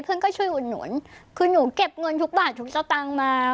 เพื่อนก็ช่วยอุดหนุนคือหนูเก็บเงินทุกบาททุกสตางค์มา